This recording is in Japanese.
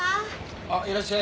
あっいらっしゃい。